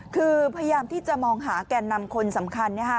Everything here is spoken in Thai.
คือพยายามที่จะมองหาแก่นำคนสำคัญ